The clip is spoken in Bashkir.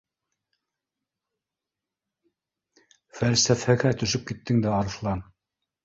— Фәлсәфәгә төшөп киттең дә, Арыҫлан